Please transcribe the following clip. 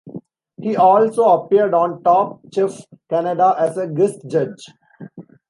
He also appeared on "Top Chef Canada" as a guest judge.